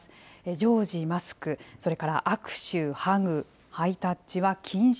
常時マスク、それから握手、ハグ、ハイタッチは禁止。